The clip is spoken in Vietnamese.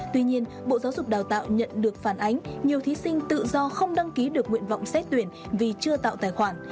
tuy nhiên bộ giáo dục đào tạo nhận được phản ánh nhiều thí sinh tự do không đăng ký được nguyện vọng xét tuyển vì chưa tạo tài khoản